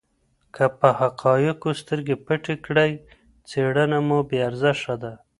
که په حقایقو سترګې پټې کړئ څېړنه مو بې ارزښته ده.